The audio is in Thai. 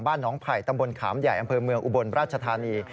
น้องไผ่ตำบลขามใหญ่อำเภอเมืองอุบลราชธานี